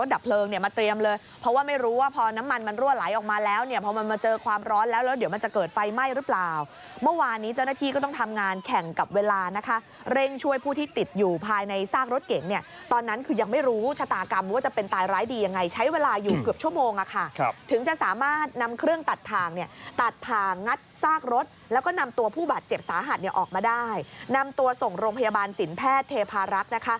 เดี๋ยวมันจะเกิดไฟไหม้หรือเปล่าเมื่อวานนี้เจ้าหน้าที่ก็ต้องทำงานแข่งกับเวลานะคะเร่งช่วยผู้ที่ติดอยู่ภายในซากรถเก๋งเนี่ยตอนนั้นคือยังไม่รู้ชะตากรรมว่าจะเป็นตายร้ายดียังไงใช้เวลาอยู่เกือบชั่วโมงอ่ะค่ะถึงจะสามารถนำเครื่องตัดทางเนี่ยตัดทางงัดซากรถแล้วก็นำตัวผู้บาดเจ็บสาห